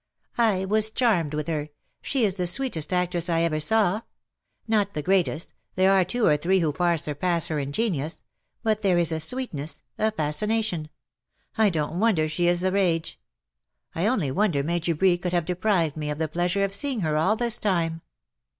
" I am charmed with her. She is the sweetest actress I ever saw; not the greatest — there are two or three who far surpass her in genius; but there is a sweetness — a fascination. I don't wonder she is the rage. I only wonder Major Bree could have deprived me of the pleasure of seeing her all this time.''